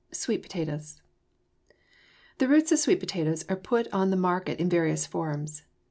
SWEET POTATOES The roots of sweet potatoes are put on the market in various forms.